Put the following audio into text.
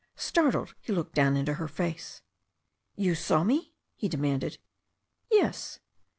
Startled, he looked down into her face. You saw me?" he demanded. "Yes."